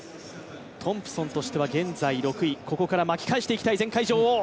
トンプソンとして現在６位ここから巻き返していきたい、前回女王。